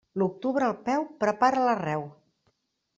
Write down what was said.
L'octubre al peu, prepara l'arreu.